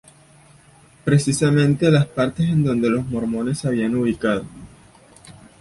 Precisamente las partes en donde los mormones se habían ubicado.